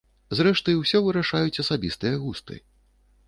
Зрэшты, усё вырашаюць асабістыя густы.